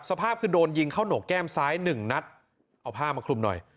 สภาพคือโดนยิงเข้าหนกแก้มซ้ายหนึ่งนัดเอาผ้ามาคลุมหน่อย